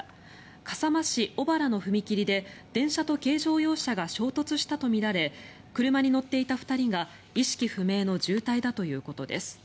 笠間市小原の踏切で電車と軽乗用車が衝突したとみられ車に乗っていた２人が意識不明の重体だということです。